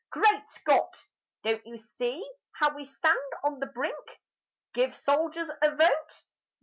Great Scott! Don't you see How we stand on the brink? Give soldiers a vote?